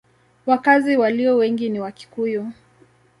Wakazi walio wengi ni Wakikuyu.